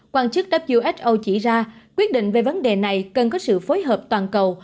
quan chức who chỉ ra quyết định về vấn đề này cần có sự phối hợp toàn cầu